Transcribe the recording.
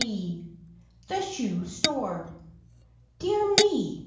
XIX THE SHOE STORE "Dear me!"